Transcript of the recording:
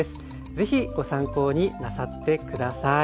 是非ご参考になさって下さい。